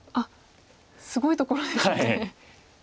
すごいところですね。